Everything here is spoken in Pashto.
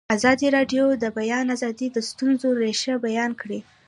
ازادي راډیو د د بیان آزادي د ستونزو رېښه بیان کړې.